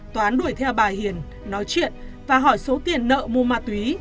toán đuổi theo bà hiền nói chuyện và hỏi số tiền nợ mua ma túy